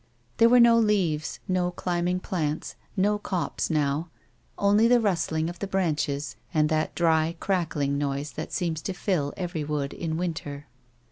There were no leaves, no climbing plants, in the copse now, only the rustling of the branches, and that dry, crack ling noise that seems to fill every wood in winter.